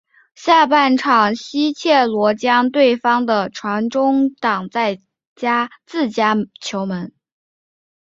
下半场西切罗将对方的传中挡进自家球门。